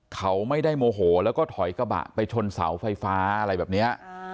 เขาไม่ได้โมโหแล้วก็ถอยกระบะไปชนเสาไฟฟ้าอะไรแบบนี้